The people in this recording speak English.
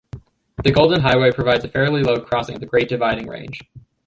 The Golden Highway provides a fairly low crossing of the Great Dividing Range.